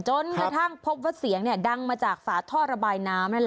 จนกระทั่งพบว่าเสียงดังมาจากฝาท่อระบายน้ำนั่นแหละ